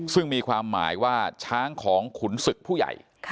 ซึ่งมีความหมายว่าช้างของขุนศึกผู้ใหญ่